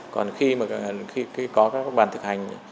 còn khi mà có các bàn thực hành